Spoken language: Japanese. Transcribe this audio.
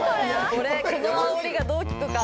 これこのあおりがどう効くか。